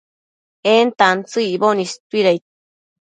en tantsëc icboc istuidaid